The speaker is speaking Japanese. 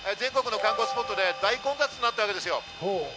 全国の観光スポットで大混雑となったわけですよ。